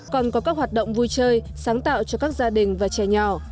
còn có các hoạt động vui chơi sáng tạo cho các gia đình và trẻ nhỏ